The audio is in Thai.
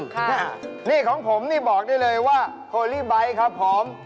ค่ะนี่ของผมนี่บอกได้เลยว่าโคลี่ไบท์ครับผม